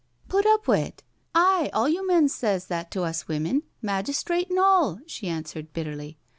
" Put up wi't I Aye, all you men sez that to us women— majistrit an' all," she answered bitterly.